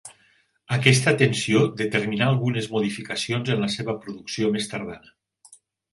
Aquesta atenció determinà algunes modificacions en la seva producció més tardana.